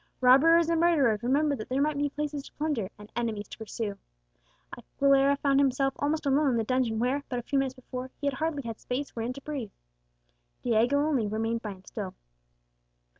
Robbers and murderers remembered that there might be palaces to plunder, and enemies to pursue. Aguilera found himself almost alone in the dungeon where, but a few minutes before, he had hardly had space wherein to breathe. Diego only remained by him still.